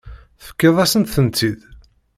Tefkiḍ-asent-tent-id.